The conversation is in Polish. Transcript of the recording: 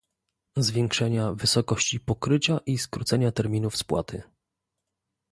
zwiększenia wysokości pokrycia i skrócenia terminów spłaty